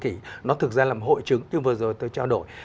thì nó thực ra là một hội chứng như vừa rồi tôi trao đổi